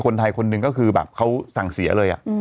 คนไทยคนหนึ่งก็คือแบบเขาสั่งเสียเลย